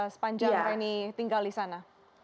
sepanjang reni tinggal di sana